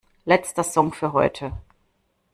Letzter Song für heute!